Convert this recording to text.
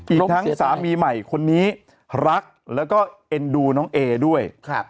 อีกทั้งสามีใหม่คนนี้รักแล้วก็เอ็นดูน้องเอด้วย